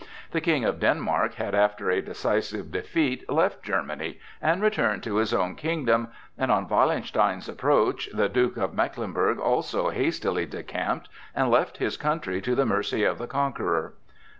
The King of Denmark had after a decisive defeat left Germany and returned to his own kingdom, and on Wallenstein's approach the Duke of Mecklenburg also hastily decamped and left his country to the mercy of the conqueror.